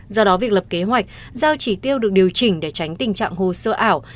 do đó việc lập kế hoạch giao chỉ tiêu được điều chỉnh để tránh tình trạng hồ sơ ảo